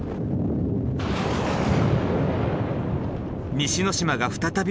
西之島が再び噴火。